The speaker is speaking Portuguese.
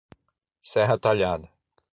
Serra Talhada